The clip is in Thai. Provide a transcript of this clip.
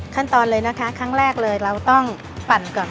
ขั้นตอนเลยนะคะครั้งแรกเลยเราต้องปั่นก่อน